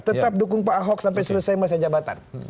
tetap dukung pak ahok sampai selesai masyarakat